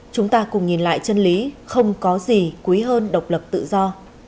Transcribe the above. chúng ta cùng nhìn lại chân lý không có gì quý hơn độc lập tự do